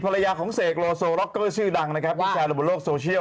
ลูกเสกโลโซล็อกเกอร์ชื่อดังนะครับผู้ชายระบบโลกโซเชียล